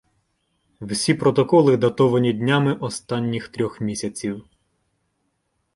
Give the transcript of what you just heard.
Всі протоколи датовані днями останніх трьох місяців.